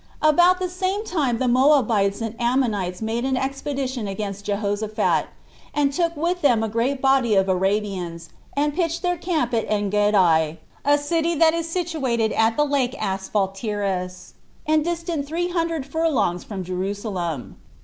2. About the same time the Moabites and Ammonites made an expedition against Jehoshaphat, and took with them a great body of Arabians, and pitched their camp at Engedi, a city that is situate at the lake Asphaltiris, and distant three hundred furlongs from Jerusalem.